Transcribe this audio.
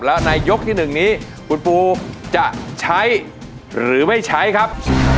และในยกที่๑นี้คุณปูจะใช้หรือไม่ใช้ครับ